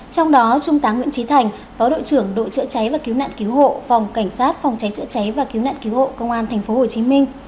trong đó trung tá nguyễn trí thành phó đội trưởng đội chữa cháy và cứu nạn cứu hộ phòng cảnh sát phòng cháy chữa cháy và cứu nạn cứu hộ công an tp hcm